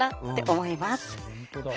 本当だ。